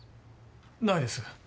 ないです。